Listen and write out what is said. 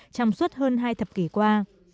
trong suốt hơn hai thập kỷ qua